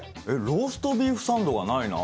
ローストビーフサンドがないな。